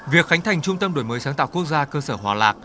việc khánh thành trung tâm đổi mới sáng tạo quốc gia cơ sở hòa lạc